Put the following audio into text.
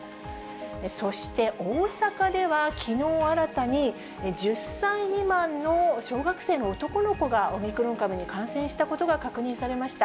そして大阪ではきのう新たに１０歳未満の小学生の男の子がオミクロン株に感染したことが確認されました。